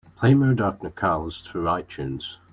Play Murdoc Nicalls through Itunes.